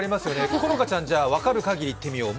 好花ちゃん分かるかぎり言ってみよう。